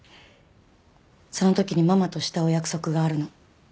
その時にママとしたお約束があるの。